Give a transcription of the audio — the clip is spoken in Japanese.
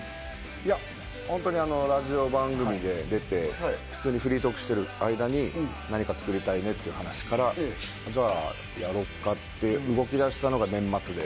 いや本当にラジオ番組で出て、普通にフリートークしてる間に何か作りたいねって話から、じゃあ、やろっかって動き出したのが年末で。